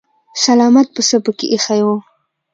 سلامت پسه پکې ايښی و.